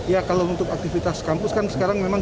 ya kalau untuk aktivitas kampus kan sekarang memang